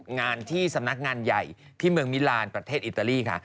งานที่สำนักงานใหญ่ที่เมืองมิลานประเทศอิตาลีค่ะ